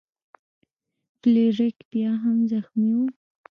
فلیریک بیا هم زخمی و.